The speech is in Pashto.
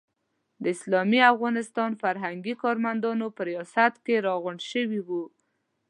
د اسلامي افغانستان فرهنګي کارمندان په ریاست کې راغونډ شوي وو.